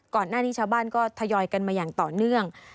ก่อนหน้านี้ชาวบ้านก็ทยอยกันมาอย่างต่อเนื่อง